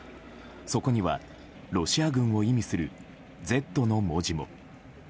そこには、ロシア軍を意味する「Ｚ」の文字も。